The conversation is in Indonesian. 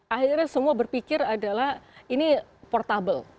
akhirnya semua berpikir adalah ini portable